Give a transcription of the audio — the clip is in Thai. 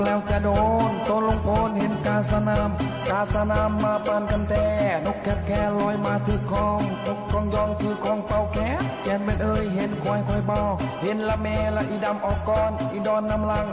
ลัคลับไหมล่ะครับ